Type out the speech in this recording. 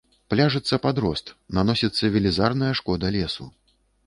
Пляжыцца падрост, наносіцца велізарная шкода лесу.